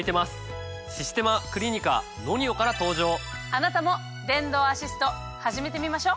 あなたも電動アシスト始めてみましょ！